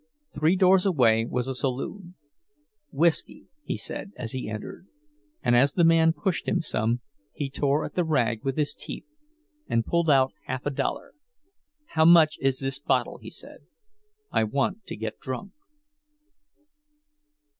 Three doors away was a saloon. "Whisky," he said, as he entered, and as the man pushed him some, he tore at the rag with his teeth and pulled out half a dollar. "How much is the bottle?" he said. "I want to get drunk."